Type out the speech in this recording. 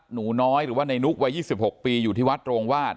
หนูน้อยหรือว่านายนุกวัดยี่สิบหกปีอยู่ที่วัดโรงวาส